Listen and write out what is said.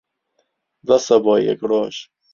بەسە بۆ یەک ڕۆژ.